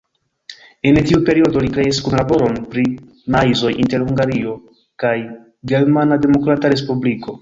En tiu periodo li kreis kunlaboron pri maizoj inter Hungario kaj Germana Demokrata Respubliko.